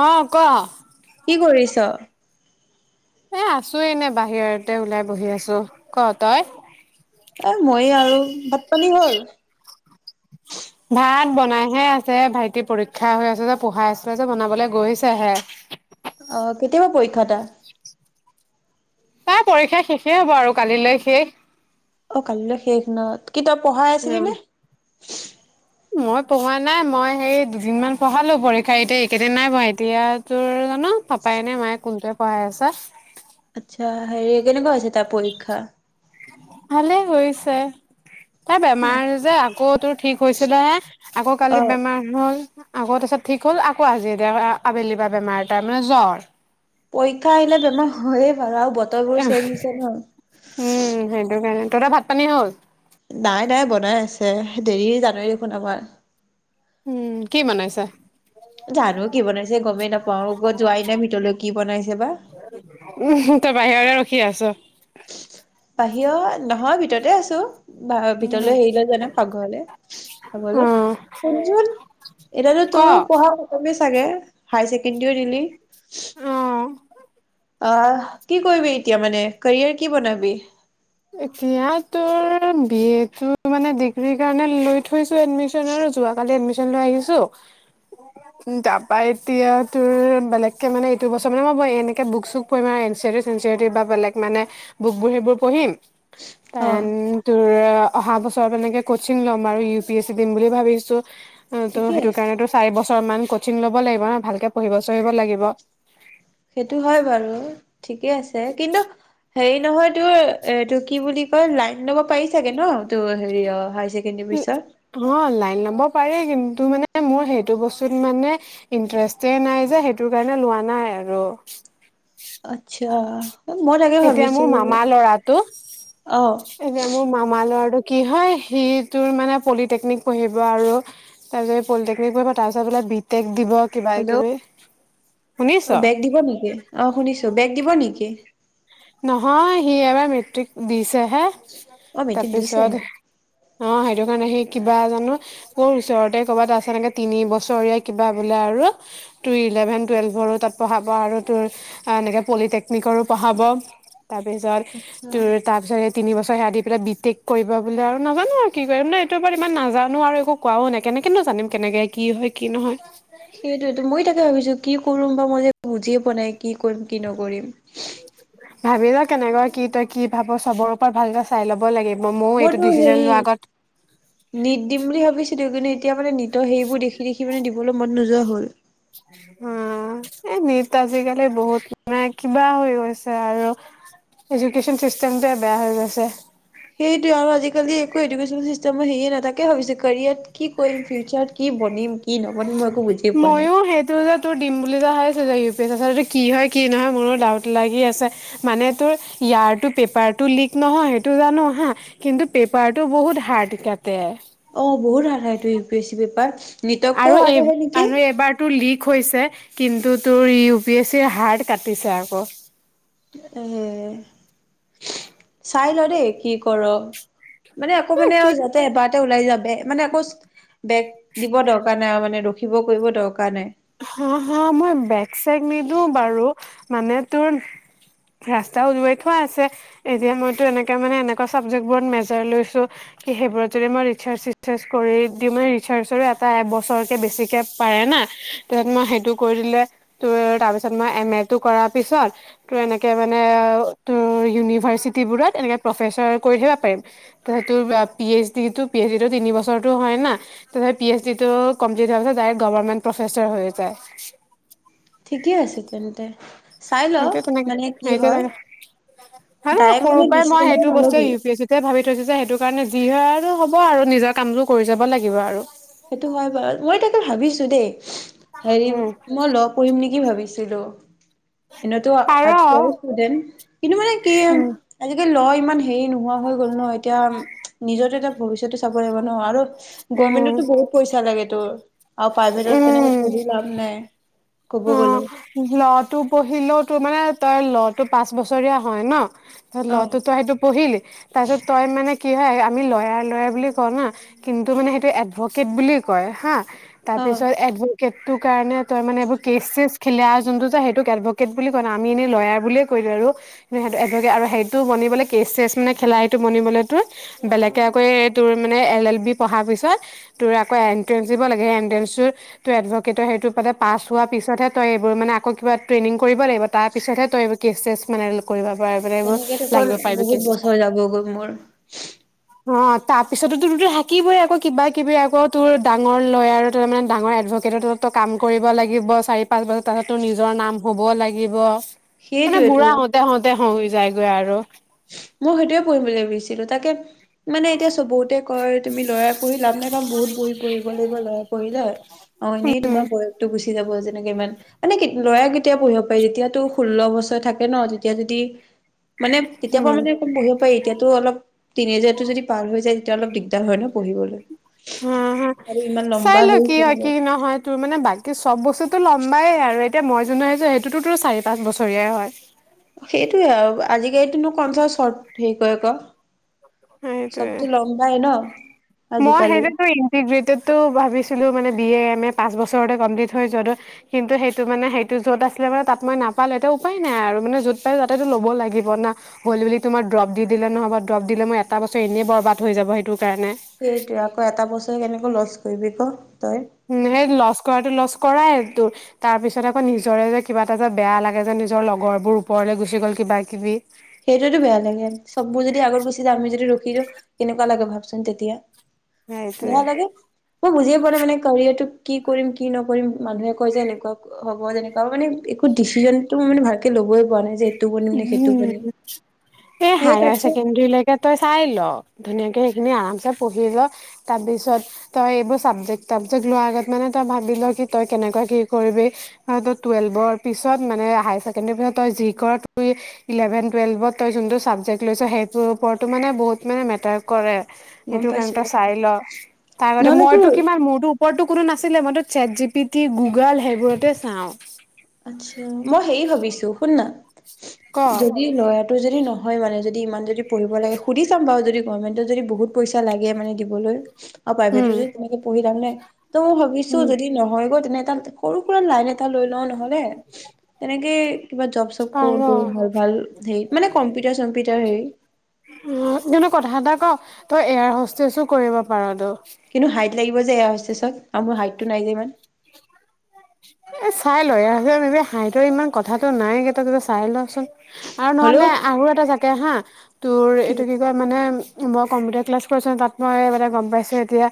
অ', ক। কি কৰিছ? এই আছোঁ এনে বাহিৰতে ওলাই বহি আছোঁ। ক তই? এই ময়ে আৰু ভাত পানী হ'ল? ভাত বনাইহে আছেঁ। ভাইটি পৰীক্ষা হৈ আছেঁ যে পঢ়াই আছিলে যে বনাবলৈ গৈছেহে। অ', কেতিয়াৰ পা পৰীক্ষা তাৰ? তাৰ পৰীক্ষা শেষে হ'ব আৰু কালিলৈ শেষ। অ', কালিলৈ শেষ ন' কি তই পঢ়াই আছিলি নে? মই পঢ়োৱা নাই। মই সেই দুদিন মান পঢ়ালোঁ। পৰীক্ষা এতিয়া এইকেইদিন নাই হোৱা এতিয়া তোৰ জানো পাপাই নে মায়ে কোনটোৱে পঢ়াই আছেঁ। আচ্ছা হেৰি কেনেকুৱা আছে তাৰ পৰীক্ষা? ভালেই হৈছেঁ। তাৰ বেমাৰ যে আকৌ তোৰ ঠিক হৈছিলে হে আকৌ অ কালি বেমাৰ। হল আগতে চব ঠিক হ'ল। আকৌ আজিৰ আবেলি পা বেমাৰ তাৰ মানে জ্বৰ। পৰীক্ষা আহিলে বেমাৰ হয়ে বাৰু আৰু বতৰ বোৰ চেজ হৈছে ন'। উম। সেইটো কাৰণে তহইতৰ ভাত পানী হ'ল? নাই নাই। বনাই আছে দেৰি জানই দেখোন আমাৰ। উম। কি বনাইছে? জানো কি বনাইছে গমেই নাপাওঁ ওপৰত যোৱাই নাই ভিতৰলৈ কি বনাইছে বা? উম তই বাহিৰতে ৰখি আছঁ? বাহিৰত নহয় ভিতৰতে আছোঁ। উম ভিতৰলৈ হেৰি লৈ যোৱা নাই পাকঘৰলৈ। অ শুনচোন এতিয়াটো ক তোৰো পঢ়া কমে চাগে হাই চেকেণ্ডেৰী ও দিলি? উম। অহ, কি কৰিবি এতিয়া মানে কেৰিয়াৰ কি বনাবি? এতিয়া তোৰ বি এ তটো মানে ডিগ্ৰ্ৰী কাৰণে লৈ থৈছো এডমিচনৰ যোৱা কালি এডমিচন লৈ আহিছোঁ। [inaudible] তাৰ পা এতিয়া তোৰ বেলেগ কে মানে, এইটো বছৰ মানে মই এনেকে বুক চুক পঢ়িম আৰু এন চি আৰটি চেন চিটি বা বেলেগ মানে বুকবোৰ সেইবোৰ পঢ়িম। অ তেন তোৰ অহা বছৰ পেনেক কচিং লম আৰু ইউ পি এছ চি দিম বুলি ভাবিছোঁ। ত' ঠিকে সেইটো আছে কাৰণেতো চাৰি বছৰমান কোচিং ল'ব লাগিব ন' ভালকৈ পঢ়িব চঢ়িব লাগিব। সেইটো হয় বাৰু ঠিকে আছে কিন্তু হেৰি নহয় তোৰ এইটো কি বুলি কয় লাইন ল'ব পাৰি চাগে ন'। তোৰ হেৰি অ' হায়াৰ ছেকেণ্ডেৰী পিছত। অ', লাইন লব পাৰি কিন্তু মানে মোৰ সেইটো বস্তুত মানে ইণ্টাৰেষ্টে নাই যে সেইটো কাৰণে লোৱা নাই আৰু। আচ্ছা মই তাকে এতিয়া ভাবিছো মোৰ মামা ল'ৰাটো অ'। এতিয়া মোৰ মামাৰ ল'ৰাটো কি হয় সি‌ তোৰ মানে পলিটেকনিক পঢ়িব আৰু। তাৰপিছত পলিটেকনিক কৰিব তাৰপিছত বোলে বিটেক দিব। কিবা হেল্ল' কিবি অ শুনিছ বেগ দিব নেকি? অ শুনিছো। বেগ দিব নেকি? নহয় সি এবাৰ মেট্ৰিক দিছেহে, অ মেট্ৰিক দিছেহে তাৰপিছত অ সেইটো কাৰণে সেই কিবা জানো কৰ ওচৰতে কৰ'বাত আছে সেনেকে তিনি বছৰীয়া কিবা বোলে আৰু। তোৰ ইলেভেন টুৱেলভেৰো তাত পঢ়াব আৰু তোৰ এনেকে পলিটেকনিকৰো পঢ়াব। তাৰপিছত আচ্ছা। তোৰ তাৰপিছত সেই তিন বছৰ সেয়া দি পেলাই বি টেক কৰিব বোলে আৰু নাজানো কি কৰে নে এইটোৰ ওপৰত ইমান নাজানো আৰু একো কোৱাও নাই কেনেকেনো জানিম কেনেকে কি হয় কি নহয়। সেইটোৱেতো মই তাকে ভাবিছো কি কৰিম বা মই যে বুজিয়ে পোৱা নাই কি কৰিম কি নকৰিম। ভাবি ল কেনেকৈ কি তই কি ভাব চবৰ ওপৰত ভালকৰে চাই ল'ব লাগিব, ময়ো এইটো মইতো হেৰি ডিচিশন লোৱাৰ আগত নিট দিম বুলি ভাবিছিলো কিন্তু এতিয়া মানে নিটৰ সেইবোৰ দেখি দেখি মানে দিবলৈ মন নোযোৱা হ'ল। উম। এ নিট আজিকালি বহুত মানে কিবা হৈ গৈছে আৰু। এডুকেশন চিষ্টেমটোৱে বেয়া হৈ গৈছে। সেইটোৱে আৰু আজিকালি একো এডুকেশন চিষ্টেমো সেইয়া নাথাকে, তাকে ভাবিছো কেৰিয়া কি কৰিম? ফিউচাৰত কি বনিম কি নবনিম মই একো বুজি পোৱা নাই। [unintelligible] সেইটো যে টো দিম বুলিযে ভাবিছো ইউ পি এছ চি আচলতে কি হয় কি নহয় মোৰো ডাউট লাগি আছে। মানে তোৰ ইয়াৰটো পেপাৰটো লিক নহয় সেইটো জানো হা কিন্তু পেপাৰটো বহুত হাৰ্ড কাটে। অ বহুত হাৰ্ড আহেটো U P S C paper, নিটতকৈয়ো হাৰ্ড আহে নেকি? [unintelligible] টো লিক হৈছে, কিন্তু তোৰ ইউ পি এছ চিৰ হাৰ্ড কাটিছে আকৌ। উম চাই লো দেই কি কৰো মানে আকৌ মানে কি আৰু যাতে এবাৰতে ওলাই যাব মানে আকৌ বেক দিব দৰকাৰ নাই আৰু মানে ৰখিব কৰিব দৰকাৰ নাই। হা হা মই বেগ-চেগ নিদিওঁ বাৰু মানে তোৰ ৰাস্তা উলিয়াই থোৱা আছে। এতিয়া মইতো এনেকে মানে এনেকুৱা চাবজেক্ট বোৰত মেজাৰ লৈছো কি সেইবোৰত যদি মই ৰিচাৰ্চ চিচাৰ্জ কৰি দিওঁ মানে ৰিচাৰ্জৰো এটা এবছৰকে বেছিকে পাৰে না, ত আপোনাৰ সেইটো কৰি দিলে ত তাৰপিছত মই এম এটো কৰাৰ পিছত তোৰ এনেকে মানে আৰু তোৰ ইউনিভাৰ চিটিবোৰত এনেকে প্ৰফেচাৰ কৰি থাকিব পাৰিম। তেনেহ'লে তোৰ পি এইচ ডিটো, পি এইচ ডিটো তিন বছৰটো হয় না। তাৰ পি এইচ ডি টো কমপ্লিট হোৱাৰ পিছত ড গভৰ্মেণ্ট প্ৰফেচৰ হৈ যায়। ঠিকে আছে তেন্তে। চাই ল সেই তেনেকে মানে কি সেইটো হয় [unintelligible] ডাইৰেক্ট সৰু মানে পৰাই মই ডিচিচনটো সেইটো বস্তু নলবি ইউ পি এ চি ভাবি থৈছো যে সেইটো কাৰণে যি হয় আৰু হ'ব আৰু নিজৰ কামবোৰ কৰি যাব লাগিব আৰু। সেইটো হয় বাৰু, মই তাকে ভাবিছো দেই হেৰি উম মই লগ কঢ়িম নেকি ভাবিছিলো, এনেটো পাৰ আঠশ ষ্টুডেণ্ট কিন্তু মানে কি উম আজিকালি লো ইমান হেৰি নোহোৱা হৈ গ'ল ন, এতিয়া নিজৰটো এতিয়া ভৱিষ্যতো চাব লাগিব ন আৰু গমেন্টত উম পইচা লাগে তোৰ আৰু প্ৰাইভেটত তেনেকে উম পঢ়ি লাভ নাই ক'ব গ'লে। লো টো পঢ়িলেও তোৰ মানে তই ল টো পাঁচ বছৰীয়া হয় ন। অ লো তো তই সেইটো পঢ়িলি। তাৰ পিছত তই মানে কি হয় আমি লয়াৰ লয়াৰ বুলি কওঁ না কিন্তু মানে সেইটো এডভকেট বুলি কয় হা। অ তাৰপিছত এডভকেটটোৰ কাৰণে তই মানে এইবোৰ কেইছ চেছ খেলে আৰু যোনটো যে সেইটোক এডভকেট বুলি কয় ন' আমি এনে লয়াৰ বুলি কৈ দিওঁ আৰু। সেইটো এডবকে আৰু সেইটো বনিবলৈ কেইছ চেছ মানে খেলা হেইটো বনিবলৈ তোৰ বেলেগকে আকৌ তোৰ মানে এল এল বি পঢ়াৰ পিছত তোৰ আকৌ এণ্ট্ৰেন্স দিব লাগে, সেই এণ্ট্ৰেন্সটোৰ এডভকেটৰ সেইটো পালে পাছ হোৱা পিছতহে তই এইবোৰ মানে আকৌ কিবা ট্ৰেইনিং কৰিব লাগিব তাৰপিছতহে তই এইবোৰ কেইছ চেছ মানে কৰিব পৰা মানে এইবোৰ তেনেকে দেখোন লাগিব পাৰিবি কেচ বহুত চেচত বছৰ যাবগৈ মোৰ। অ', তাৰপিছতো তোৰ থাকিবই আকৌ কিবা কিবি আকৌ তোৰ ডাঙৰ লয়াৰ আৰু তাৰ মানে ডাঙৰ এডভক কেটত তই কাম কৰিব লাগ লাগিব চাৰি পাঁচ বছৰ তাৰপিছত নিজৰ নাম হ'ব লাগিব মানে সেইটোৱেতো বুঢ়া হওঁতে হওঁ তে হৈ যায়গৈ আৰু। মই সেইটোয়ে পঢ়িমলৈ ভাবিছিলোঁ তাকে মানে এতিয়া চ' বহুতে কয় তুমি লয়াৰ পঢ়ি লাভ নাই, কাৰণ বহুত পঢ়ি পঢ়ি পঢ়িব লাগিব লয়াৰ পঢ়িলে অ' এনেই তোমাৰ উম বয়সটো গুচি যাব যেনেকে ইমান মানে লয়াৰ কেতিয়া পঢ়িব পাৰি, যেতিয়া তোত ষোল্ল বছৰ থাকে ন' তেতিয়া যদি মানে তেতিয়া পৰা মানে পঢ়িব প এতিয়াতো অলপ তিনি হজাৰটো যদি পাৰ হৈ যায় তেতিয়া অলপ দিগদাৰ হয় ন' পঢ়িবলৈ। হা, হা, আৰু ইমান চাই লম্বা লৈ হেৰি কি হয় কৰিলে কি নহয়। তোৰ মানে বাকী চব বস্তুতো লম্বাই আৰু, এতিয়া মই জনাত সেইটোতো তোৰ চাৰি পাঁচ বছৰীয়াই হয়। সেইটোয়ে আৰু আজিকালিতোনো কনচা চৰ্ট হেৰি কৰে ক, সেইটোৱে চবতো ল [unintelligible] মই সেইটো টোই ইটিগ্ৰেটেডটো ভাবিছিলোঁ মানে বি এ, এম এ পাঁচ বছৰতে কমপ্লিট হৈ যোৱাটো কিন্তু সেইটো মানে সেইটো য'ত আছিলে মানে তাত মই নাপালোঁ, এতিয়া উপায় নাই আৰু মানে য'ত পাই তাতেতো ল'ব লাগিব না। হ'ল বুলি তোমাৰ ড্ৰপ দি দিলে, নহ'ব ড্ৰপ দিলে মই এটা বছৰ এনেই বৰবাদ হৈ যাব সেইটো কাৰণে। সেইটোৱে আকৌ এটা বছৰে কেনেকৈ লছ কৰিবি ক তই। সেই লছ কৰাটো লছ কৰাইটো তাৰপিছত আকৌ নিজৰে যে কিবা এটা যে বেয়া লাগে যে নিজৰ লগৰবোৰ ওপৰলৈ গুচি গ'ল কিবা কিবি। সেইটোইতো বেয়া লাগে, চববোৰ যদি আগত গুচি যায় আমি যদি ৰখি দিওঁ কেনেকুৱা লাগে ভাবচোন তেতিয়া। বেয়া সেইটোৱে লাগে। মই বুজিয়ে পোৱা নাই মানে কাৰিয়াটো কি কৰিম, কি নকৰিম, মানুহে কয় যে এনেকুৱা হ'ব তেনেকুৱা আৰু মানে একো ডিচিজনটো মই মানে ভালকে ল'বই পৰা নাই যে এইটো বনিম নে সেইটো বনিম। এই সেই হায়াৰ তাতছে ছেকেণ্ডাৰী লেক এতিয়া তই চাই ল, ধুনীয়াকে সেইখিনি আৰামছে পঢ়ি ল তাৰপিছত তই এইবোৰ চাবজেক্ট তাবজেক্ট লোৱাৰ আগতে মানে তই ভাবি ল কি তই কেনেকুৱা কি কৰিবি তই টুৱেলভৰ পিছত মানে হায়াৰ ছেকেণ্ডৰী পিছত তই যি কৰ ত ইলেভেন টুৱেলভত তই যোনটো ছাবজেক্ট লৈছ সেইটোৰ ওপৰতো মানে বহুত মানে মেটাৰ কৰে। গম সেইটো কাৰণে পাইছো তই চাই ল, তাৰ আগতে নহ'লে তোৰ মইতো কিমান মোৰটো মোৰটো কোনো নাছিলে, মইতো chat G P T, Google সেইবোৰতে চাওঁ। আচ্ছা। মই হেৰি ভাবিছোঁ, শুননা, ক যদি লয়াৰ, তোৰ যদি নহয় মানে যদি ইমান যদি পঢ়িব লাগে, সুধি চাম বাৰু যদি গভমেণ্টে যদি বহুত পইচা লাগে মানে দিবলৈ আৰু প্ৰাইভেটত উম যদি তেনেকে পঢ়ি যাম নাই, ত' মই ভাবিছোঁ উম যদি নহয়গৈ তেনে টা সৰু সুৰা লাইন এটা লৈ লওঁ ন'হলে তেনেকে কিবা জব চব কৰোঁ দূৰ পাৰ হয়। ভাল হেৰি, মানে কম্পিউটাৰ চম্পিউটাৰ হেৰি। উম জোনো কথা এটা কওঁ, তই এয়াৰ হস্তেছো কৰিব পাৰ ত। কিন্তু হাইট লাগিব যে এয়াৰ হস্তেছত, আৰু মোৰ হাইটটো নাই যে ইমান। এ চাই ল ইয়াৰ [unintelligible] হাঁইটৰ ইমান কথাটো নাই গে তই আগতে চাই লচোন। আৰু হ'লেও নহ'লে আৰু এটা জাকে হা তোৰ এইটো কি এতিয়া মানে মই কম্পিউটাৰ ক্লাছ কৰিছোঁ তাত মই মানে গম পাইছোঁ এতিয়া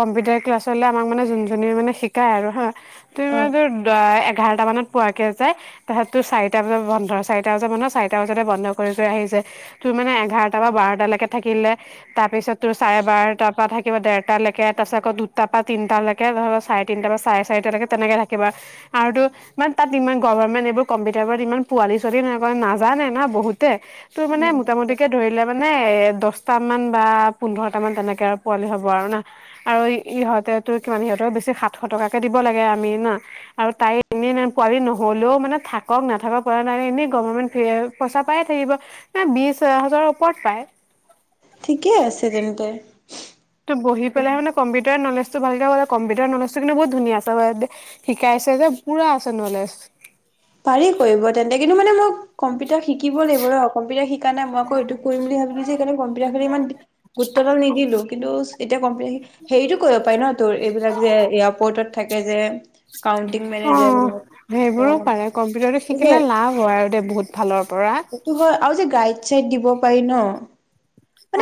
কম্পিউটাৰ ক্লাছ হলে আমাক মানে যোনজনিয়ে মানে শিকায় আৰু হা অ সেইদিনা তোৰ দহ এঘাৰটা মানত পোৱাকে যায়, তাৰপিছত তোৰ চাৰিটা বজাত বন্ধ চাৰিটা বজাব ন চাৰিটা বজাতে বন্ধ কৰি থৈ আহিছে। তোৰ মানে এঘাৰটা পৰা বাৰটালেকে থাকিলে তাৰপিছত তোৰ চাৰে বাৰটাৰ পৰা থাকিব দেৰটা লেকে, তাৰপাছত আকৌ দুটাৰ পৰা তিনটা লেক কে ধৰা চাৰে তিনিটা বা চাৰে চাৰিটালেকে তেনেকে থাকিব আৰু তোৰ মানে তাত ইমান গভাৰ্ণমেণ্ট এইবোৰ কম্পিউটাৰবোৰত ইমান পোৱালি ছোৱালী এনেকা নাজানে না বহুতে। তোৰ মানে মোটামুটিকে ধৰিলে মানে এ দছটা মান বা পোন্ধৰটা মান তেনেকে আৰু পোৱালি হ'ব আৰু না। আৰু ইহঁতে তোৰ কিমান ইহঁতৰ বেছি সাতশ টকাকে দিব লাগে আমি না। আৰু তাই এনেই পোৱালি নহ'লেও মানে থাকক নাথাকক পৰা নাই এনেই গভাৰ্ণমেণ্ট ফী আৰু পইচা পায়ে থাকিব, এ বিশ হাজাৰৰ ওপৰত পায়। ঠিকে আছে তেন্তে। তোৰ বহি পেলাই মানে কম্পিউটাৰ নলেজটো ভালকে হলে কম্পিউটাৰ নলেজটো কিন্তু বহুত ধুনীয়া আছে [unintelligible] শিকাইছে যে পোৰা আছে নলেজ। পাৰি কৰিব তেন্তে কিন্তু মানে মই কম্পিউটাৰ শিকিব লাগিব ৰ, কম্পিউটাৰ শি সেইকাৰণে মই আকৌ এইটো কৰিম বুলি ভাবিলো যে সেইকাৰণে কম্পিউটাৰ ফালে ইমান গুৰুত্বদাল নিদিলো কিন্তু এতিয়া কমপ্লিটাৰ হি হেৰিটো কৰিব পাৰি ন তোৰ এইবিলাক যে এয়াৰপৰ্টত থাকে যে। কাউন্টিং মেনেজাৰ বিলাক সেইবোৰো অঁ। পাৰে কম্পিউটাৰটো শিকিলে লাভ হয় আৰু দেই বহুত ফালৰ পৰা। টো হয় আৰু যে গাইড চাইড দিব পাৰি ন,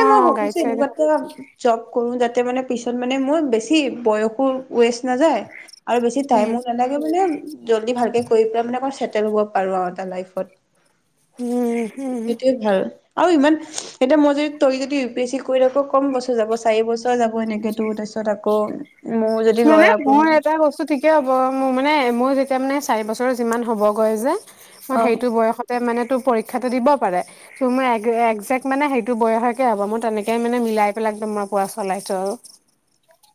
অ মই গাইড ভাবিছো চাইড এনেকুৱা এটা জব কৰো যাতে মানে পিছত মানে মোৰ বেছি বয়সো ৱেষ্ট নাযায় আৰু বেছি উম টাইমো নালাগে মানে জল্দি ভালকে কৰি পেলাই মানে আক চেটেল হ'ব পাৰো আও এটা লাইফত। উম উম সেইটোৱে ভাল, আৰু ইমান এতিয়া মই যদি তই যদি ইউ পি এছ চি কৰি থাক কম বছৰ যাব, চাৰি বছৰ যাব সেনেকে তোৰ তাৰ‌পিছত আকৌ মোৰ যদি মানে লয়া পঢ়ো মই এটা বস্তু ঠিক কি হ'ব মোৰ মানে মোৰ যেতিয়া মানে চাৰি বছৰ যিমান হ'বগৈ যে মই অ সেইটো বয়সত তে মানে তোৰ পৰীক্ষাটো দিব পাৰে। ত মোৰ একজেক্ট মানে সেইটো বয়সকে হ'ব মই তেনেকে মানে মিলাই পেলাই একদম মই পোৰা চলাইছো আৰু।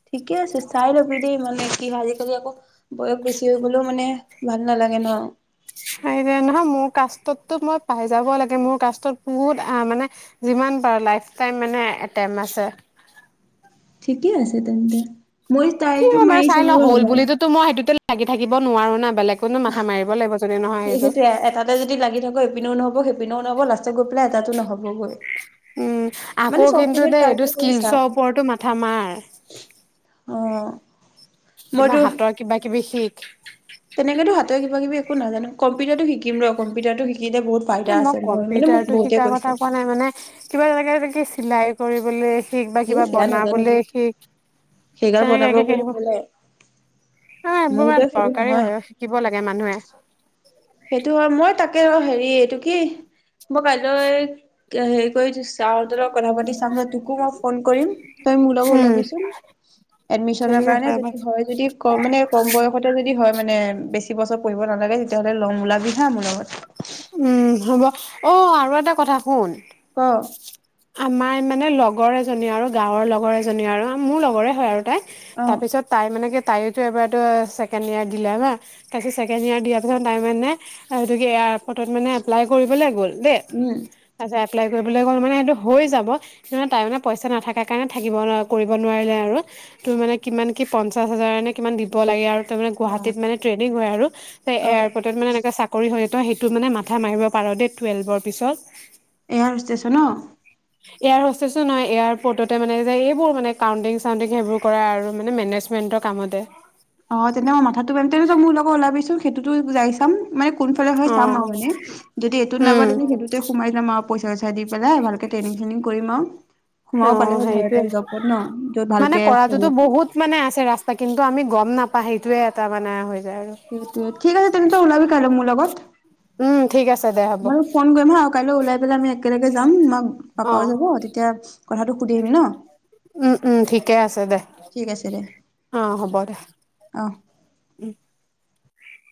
ঠিকে আছে চাই লবি দেই মানে কি হয় আজিকালি আকৌ বয়স বেছি হৈ গ'লেও মানে ভাল নালাগে ন। সেইটোৱে নহয় মোৰ কাষ্টতো মই পায় যাব লাগে মোৰ কাষ্টত বহুত আ মানে যিমান পাৰ লাইফটাইম মানে এটেম আছে। ঠিকেই আছে তেন্তে, মই ট্ৰাইটো মাৰি চাওঁ ৰবা। তো মই সেইটোতে লাগি থাকিব নোৱাৰো না, বেলেগনো মাথা মাৰিব লাগিব যদি নহয় সেইটো। সেইটোৱে এটাতে যদি লাগি থাক এইপিনেও নহব সেইপিনেও নহ'ব লাষ্টত গৈ পেলাই এটাতো নহ'ব। উম আকৌ চব কিন্তু পিনে দেই ট্ৰাইটো এইটো স্কিলছৰ ওপৰতো মাথা মাৰ। অঁ। কিবা হাতৰ কিবা কিবি শিক। তেনেকেতো হাতে কিবা কিবি একো নাজানো, কম্পিউটাৰটো শিকিম ৰ কম্পিউাৰটো শিকিলে বহুত ফাইদা এ মই আছে মোৰ মানে মোক কম্পিউটাৰটো বহুতে শিকাৰ কথা কৈছে কোৱা নাই, মানে কিবা এনেকে তেনেকে চিলাই কৰিবলৈ শিক বা সেই কিবা সেয়া নাজানো বনাবলে দে শিক সেইগাল তেনেকে বনাব কি কি গ'লে আহিব? হ'ল আৰু অ', মোৰ এইবোৰ বৰ দৰে সেইটো দৰকাৰী নহয় হয় অ', শিকিব লাগে মানুহে। সেইটো হয়, মই তাকে অ', হেৰি এইটো কি? মই কাইলৈ হেৰি কৰি থৈছো, চাৰ হতৰ লগত কথা পাতি চাম ৰ, তোকো মই ফোন কৰিম, তই মোৰ লগত উম। ওলাবিচোন। এডমিশনৰ ঠিক কাৰণে আছে যদি হয় যদি ক মানে কম বয়সতে যদি হয় মানে, বেছি বছৰ পঢ়িব নালাগে তেতিয়াহ'লে লম ওলাবি হা মোৰ লগত। উম, হ'ব অ', আৰু এটা কথা শুন। ক? আমাৰ মানে লগৰ এজনী আৰু, গাঁৱৰ লগৰ এজনী আৰু, মোৰ লগৰে হয় আৰু তাই। অ তাৰপিছত তাই মানে কি তাইয়োতো এবাৰটো ছেকেণ্ড ইয়েৰত দিলে না। তাৰপিছত ছেকেণ্ড ইয়েৰত দিয়া পাছত টাই মানে আৰু এটোকি এয়াৰপৰ্টত মানে এপ্লাই কৰিবলৈ গ'ল দেই। উম তাৰপিছত এপ্লাই কৰিবলৈ গ'ল মানে সেইটো হৈ যাব। কিন্তু তাই মানে পইচা নাথাকে কাৰণে থাকিব কৰিব নোৱাৰিলে আৰু। তোৰ মানে কিমান কি পঞ্চাশ হাজাৰ নে কিমান দিব লাগে আৰু। তাৰমানে বা গুৱাহাটীত মানে ট্ৰেনিং কৰাই আৰু, অ এয়াৰপৰ্তট মানে এনেকে চা কৰি হ'লে তই সেইটোত মানে মাথা মাৰিব পাৰ দেই, টুৱেল্ভৰ পিছত। এয়াৰ ষ্টেশচন ন'। এয়াৰ হচটেছো নহয়, এয়াৰপৰ্টতে মানে যে এইবোৰ মানে কাউণ্টিং চাউটিং সেইবোৰ কৰা আৰু মানে মেনেজ মেণ্টৰ কামতে। অ', তেনে মই মথাটো পাৰিম, তেন্তে তই মোৰ লগত ওলাবিচোন, সেইটোতো যাই চাম। মানে কোনফালে হয় অ চাম আৰু মানে। যদি এইটোত নাপাও উম তেন্তে সেইটোতে সোমাই যাম আৰু পইচা চইচা দি পেলাই, ভালকে ট্ৰেনিং চেনিং কৰিম আৰু। অ সোমাব পালে হ'ল ভাল এটা সেইটোয়ে জবত ন', যত মানে ভালকে কৰাটোতো চলিব পাওঁ। বহুত মানে আছে ৰাস্তা, কিন্তু আমি গম নাপা সেইটোয়ে এটা মানে হৈ যায় আৰু। সেইটোৱে, ঠিক আছে তেন্তে ওলাবি কাইলৈ মোৰ লগত। উম', ঠিক আছে দে। হ'ব মই ফোন কৰিম হা, কাইলৈ ওলাই পেলাই আমি একেলগে যাম, আমাৰ অ পাপাও যাব তেতিয়া কথাটো সুধি আহিম ন'? উম, উম, ঠিকে আছে দে, ঠিক আছে দে অ', হ'ব দে। অ'।